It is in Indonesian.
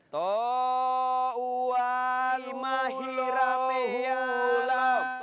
tauan mahirameya lau